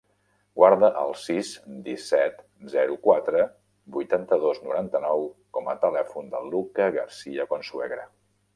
Guarda el sis, disset, zero, quatre, vuitanta-dos, noranta-nou com a telèfon del Lucca Garcia Consuegra.